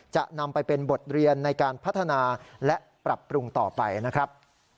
จะนำไปเป็นบทเรียนในการพัฒนาและปรับปรุงต่อไปนะครับ